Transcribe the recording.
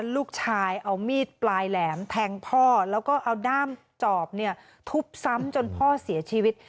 ลูกชายเอามีดปลายแหลมแทงพ่อแล้วก็เอาด้ามจอบเนี่ยทุบซ้ำจนพ่อเสียชีวิต